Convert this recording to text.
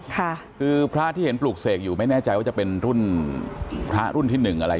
ค่ะคือพระที่เห็นปลูกเสกอยู่ไม่แน่ใจว่าจะเป็นรุ่นพระรุ่นที่หนึ่งอะไร